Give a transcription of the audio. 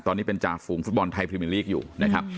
ตอนนี้เป็นจ่าฝูงฟุตบอลไทยพรีมิลีกอยู่นะครับ